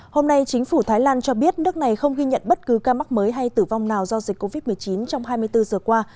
hôm nay chính phủ thái lan cho biết nước này không ghi nhận bất cứ ca mắc mới hay tử vong nào do dịch covid một mươi chín trong hai mươi bốn giờ qua